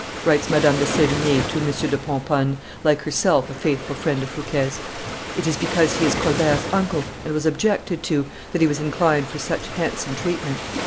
writes Madame de Sevigne to M. de Pomponne, like herself a faithful friend of Fouquet's: "it is because he is Colbert's uncle, and was objected to, that he was inclined for such handsome treatment.